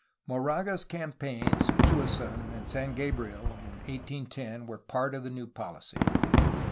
Moraga's campaigns at Suisun and San Gabriel in 1810 were a part of the new policy.